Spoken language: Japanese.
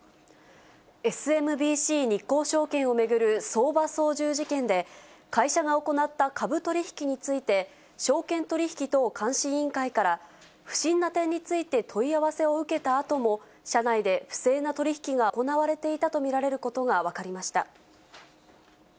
ＳＭＢＣ日興証券を巡る相場操縦事件で、会社が行った株取り引きについて、証券取引等監視委員会から、不審な点について問い合わせを受けたあとも、社内で不正な取り引きが行われていたと見られることが分かりました。